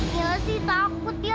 gila sih takut ya